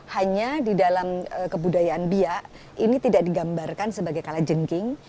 hanya di dalam kebudayaan biak ini tidak digambarkan sebagai kalajengking